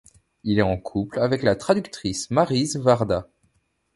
Il est en couple avec la traductrice Maryse Warda.